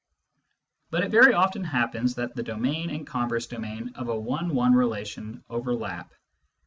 But it very often happens that the domain and converse domain of a one one relation overlap.